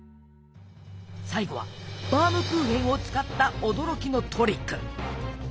最後はバームクーヘンを使った驚きのトリック！